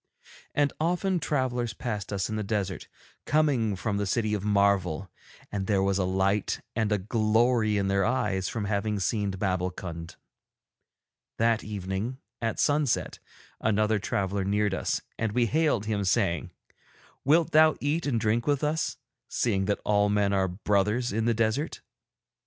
And often travellers passed us in the desert, coming from the City of Marvel, and there was a light and a glory in their eyes from having seen Babbulkund. That evening, at sunset, another traveller neared us, and we hailed him, saying: 'Wilt thou eat and drink with us, seeing that all men are brothers in the desert?'